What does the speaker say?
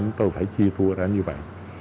thì tôi phải chia tour ra như vậy